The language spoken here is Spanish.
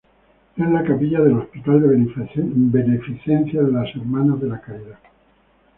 Es la capilla del Hospital de Beneficencia de las Hermanas de la Caridad.